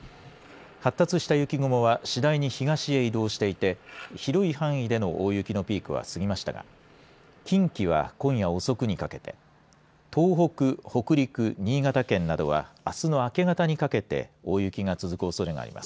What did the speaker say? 発達した雪雲は次第に東へ移動していて広い範囲での大雪のピークは過ぎましたが近畿は今夜遅くにかけて東北、北陸、新潟県などはあすの明け方にかけて大雪が続くおそれがあります。